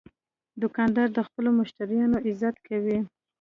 دوکاندار د خپلو مشتریانو عزت کوي.